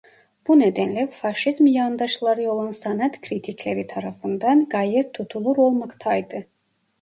Bu nedenle Faşizm yandaşları olan sanat kritikleri tarafından gayet tutulur olmaktaydı.